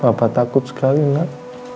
bapak takut sekali nak